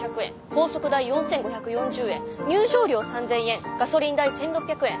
高速代４，５４０円入場料３，０００円ガソリン代１，６００円